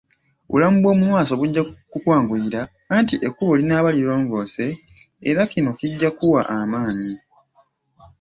Obulamu bw'omu maaso bujja kukwanguyira, anti ekkubo linaaba lirongoose era kino kijja kukuwa amaanyi.